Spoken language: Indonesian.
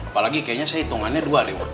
apalagi kayaknya saya hitungannya dua lewat